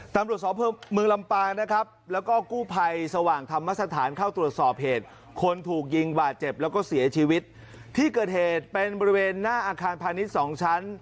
ตำรวจสอบเพิ่มเมืองลำปางนะครับแล้วก็กู้ภัยสว่างธรรมสถานเข้าตรวจสอบเหตุคนถูกยิงบาดเจ็บแล้วก็เสียชีวิตที่เกิดเหตุเป็นบริเวณหน้าอาคารพาณิชย์สองชั้น